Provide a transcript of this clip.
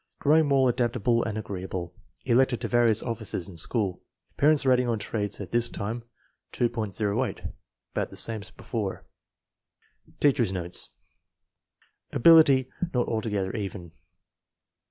Growing more adaptable and agreeable. Elected to various offices in school. Parents' rating on traits at this time, 2.08, about the same as before. Teacher's notes. Ability not altogether even.